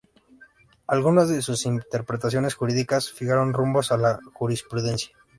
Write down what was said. Algunas de sus interpretaciones jurídicas fijaron rumbos a la jurisprudencia.